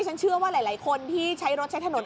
ฉันเชื่อว่าหลายคนที่ใช้รถใช้ถนน